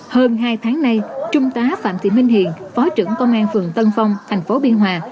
hơn hai tháng nay trung tá phạm thị minh hiền phó trưởng công an phường tân phong thành phố biên hòa